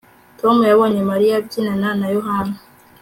Tom yabonye Mariya abyinana na Yohana